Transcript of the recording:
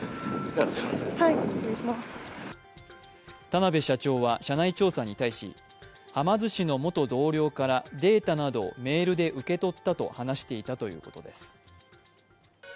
田辺社長は社内調査に対し、はま寿司の元同僚からデータなどをメールで受け取ったと話していたということです。